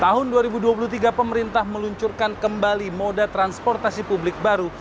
tahun dua ribu dua puluh tiga pemerintah meluncurkan kembali moda transportasi publik baru